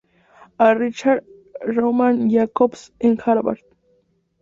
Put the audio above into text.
A. Richards y Roman Jakobson, en Harvard.